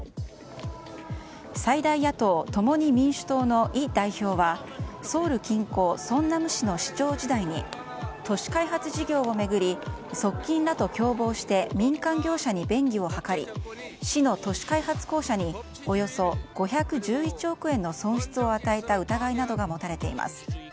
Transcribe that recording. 最大野党共に民主党のイ代表はソウル近郊ソンナム市の市長時代に都市開発事業を巡り側近らと共謀して民間業者に便宜を図り市の都市開発公社におよそ５１１億円の損失を与えた疑いなどが持たれています。